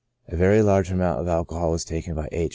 A very large amount of alcohol was taken by H.